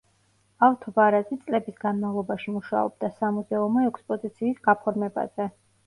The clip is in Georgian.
ავთო ვარაზი წლების განმავლობაში მუშაობდა სამუზეუმო ექსპოზიციის გაფორმებაზე.